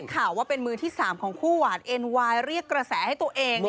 ข่าวว่าเป็นมือที่๓ของคู่หวานเอ็นวายเรียกกระแสให้ตัวเอง